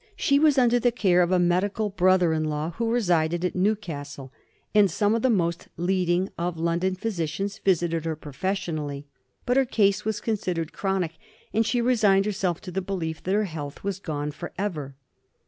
She was under the care of a medical brother in law, who resided at Newcastle, and some of the most leading of London physicians visited her professionally. But her case was considered chronic, and she resigned herself to the belief that her health was gone for ever.